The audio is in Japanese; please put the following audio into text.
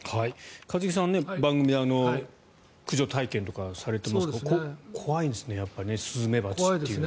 一茂さん、番組で駆除体験とかされていますが怖いですね、やっぱりねスズメバチというのは。